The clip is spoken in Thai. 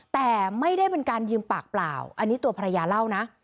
แต่ไม่ได้เป็นการยืมปากเปล่าอันนี้ตัวภรรยาเล่านะ